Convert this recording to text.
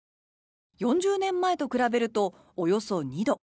４０年前と比べるとおよそ２度。